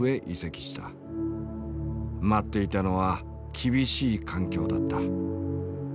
待っていたのは厳しい環境だった。